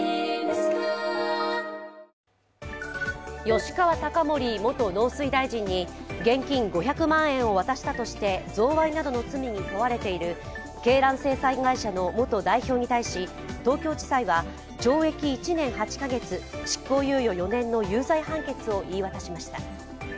吉川貴盛元農水大臣に現金５００万円を渡したとして贈賄などの罪に問われている鶏卵生産会社の元代表に対し東京地裁は、懲役１年８カ月執行猶予４年の有罪判決を言い渡しました。